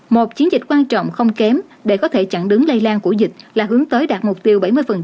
một chiến dịch quan trọng không kém để có thể chặn đứng lây lan của dịch là hướng tới đạt mục tiêu bảy mươi